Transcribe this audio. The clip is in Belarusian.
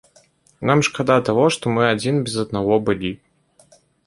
Нам шкада таго, што мы адзін без аднаго былі.